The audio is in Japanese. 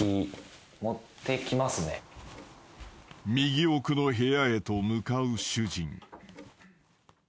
［右奥の部屋へと向かう主人］